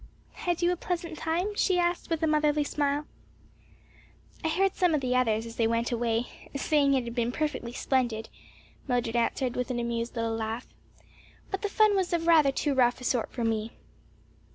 "Had you a pleasant time?" she asked, with a motherly smile. "I heard some of the others, as they went away, saying it had been perfectly splendid," Mildred answered with an amused little laugh, "but the fun was of rather too rough a sort for me."